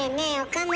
岡村。